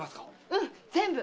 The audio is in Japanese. うん全部！